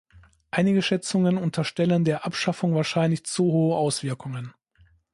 Einige Schätzungen unterstellen der Abschaffung wahrscheinlich zu hohe Auswirkungen.